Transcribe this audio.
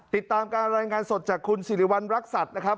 ติดตามการรายงานสดจากคุณสิริวัณรักษัตริย์นะครับ